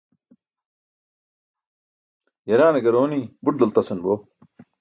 yaraane garooni buṭ dalṭasan bo